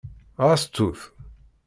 Ɣas ttut.